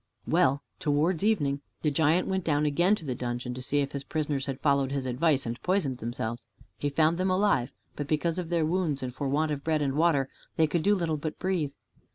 Well, towards evening the giant went down again to the dungeon to see if his prisoners had followed his advice and poisoned themselves. He found them alive, but because of their wounds and for want of bread and water they could do little but breathe.